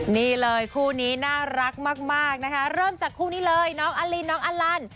นี่เลยคู่นี้น่ารักมากนะคะเริ่มจากคู่นี้เลยน้องอลินน้องอลัน